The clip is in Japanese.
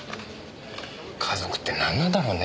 家族ってなんなんだろうね？